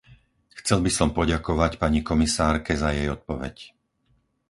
Chcel by som poďakovať pani komisárke za jej odpoveď.